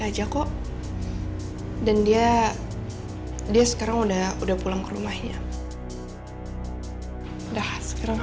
kayaknya itu kebuka deh